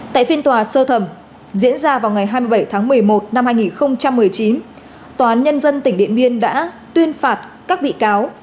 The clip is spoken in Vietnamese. tại phiên tòa sơ thẩm diễn ra vào ngày hai mươi bảy tháng một mươi một năm hai nghìn một mươi chín tòa án nhân dân tỉnh điện biên đã tuyên phạt các bị cáo